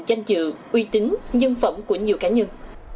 danh dự uy tín nhân phẩm của nhiều cá nhân